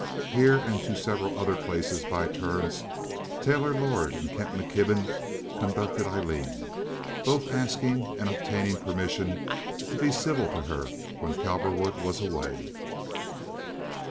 Here and to several other places by turns Taylor Lord and Kent McKibben conducted Aileen, both asking and obtaining permission to be civil to her when Cowperwood was away.